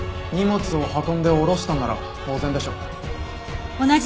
荷物を運んで下ろしたのなら当然でしょう。